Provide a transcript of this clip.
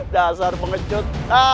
dasar raja pengecut